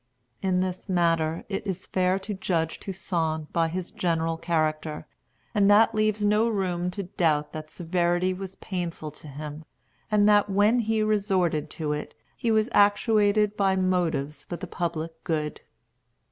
In this matter it is fair to judge Toussaint by his general character, and that leaves no room to doubt that severity was painful to him, and that when he resorted to it he was actuated by motives for the public good.